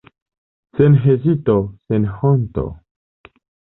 Sen hezito, sen honto!